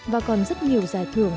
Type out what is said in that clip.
và còn rất nhiều giải thưởng